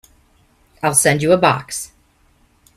I'll send you a box.